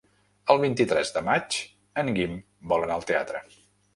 El vint-i-tres de maig en Guim vol anar al teatre.